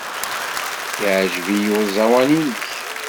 Yeɛjeb-iyi uẓawan-nnek.